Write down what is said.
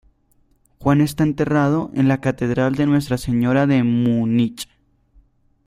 Juan está enterrado en la Catedral de Nuestra Señora de Múnich.